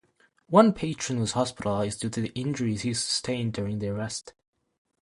One patron was hospitalized due to injuries he sustained during the arrest.